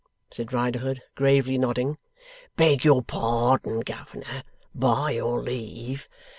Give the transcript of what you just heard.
said Riderhood, gravely nodding. 'Beg your pardon, governor! By your leave!